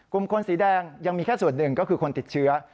กลุ่มคนสีแดงยังมีแค่ส่วนหนึ่งก็คือคนติดเชื้อ